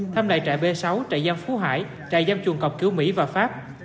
thăm đại trại b sáu trại giam phú hải trại giam chuồng cọc cứu mỹ và pháp